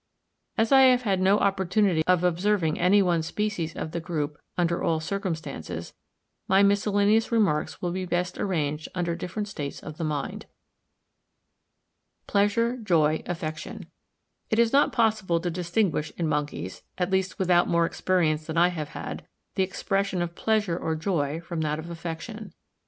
As I have had no opportunity of observing any one species of the group under all circumstances, my miscellaneous remarks will be best arranged under different states of the mind. Pleasure, joy, affection—It is not possible to distinguish in monkeys, at least without more experience than I have had, the expression of pleasure or joy from that of affection.